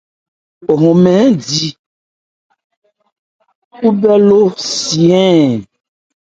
Hɔ́n nmyɔ̂n di khúbhɛ́ ló cí áán.